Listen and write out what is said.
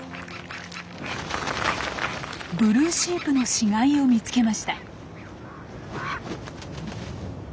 ブルーシープの死骸を見つけました。